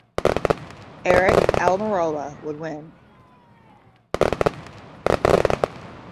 Aric Almirola would win.